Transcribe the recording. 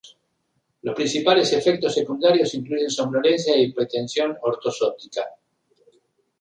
Los principales efectos secundarios incluyen somnolencia e hipotensión ortostática.